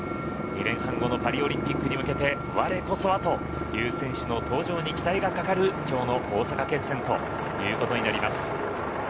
２年半後のパリオリンピックに向けて、我こそはという選手の登場に期待がかかるきょうの大阪決戦となります。